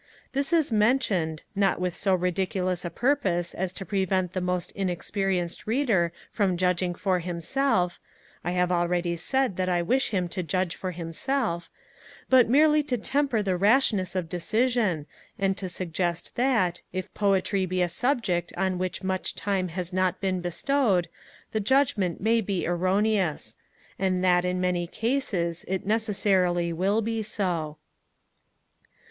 This is mentioned, not with so ridiculous a purpose as to prevent the most inexperienced Reader from judging for himself (I have already said that I wish him to judge for himself), but merely to temper the rashness of decision, and to suggest, that, if Poetry be a subject on which much time has not been bestowed, the judgement may be erroneous; and that, in many cases, it necessarily will be so.